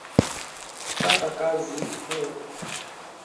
Kupata kazi mu lubumbashi ni shida kabisa